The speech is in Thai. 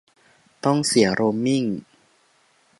ต้องเสียโรมมิ่ง ?